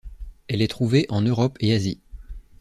Elle est trouvée en Europe et Asie.